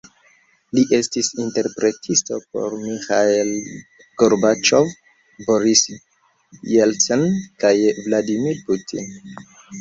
Li estis interpretisto por Miĥail Gorbaĉov, Boris Jelcin, kaj Vladimir Putin.